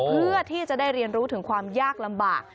เพื่อที่จะได้เรียนรู้ถึงความยากลำบาก